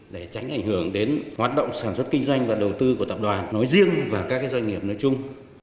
để tránh ảnh hưởng đến hoạt động sản xuất kinh doanh và đầu tư của tập đoàn nói riêng và các doanh nghiệp nói chung